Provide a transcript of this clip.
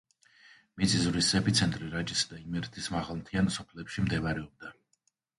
მიწისძვრის ეპიცენტრი რაჭისა და იმერეთის მაღალმთიან სოფლებში მდებარეობდა.